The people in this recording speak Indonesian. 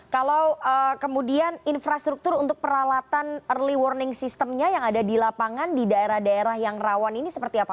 kalau kemudian infrastruktur untuk peralatan early warning systemnya yang ada di lapangan di daerah daerah yang rawan ini seperti apa